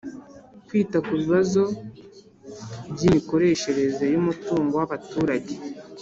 Kwita ku bibazo by imikoreshereze yumutungo wa baturage